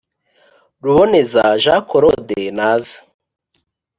ruboneza ja colode naze